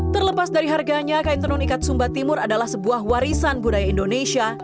terlepas dari harganya kain tenun ikat sumba timur adalah sebuah warisan budaya indonesia